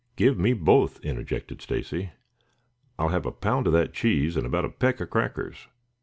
"Give me both," interjected Stacy. "I'll have a pound of that cheese and about a peck of crackers.